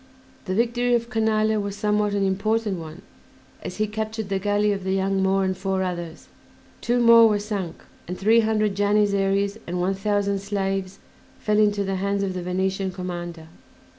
The victory of Canale was somewhat an important one as he captured the galley of "The Young Moor" and four others; two more were sunk, and three hundred Janissaries and one thousand slaves fell into the hands of the Venetian commander.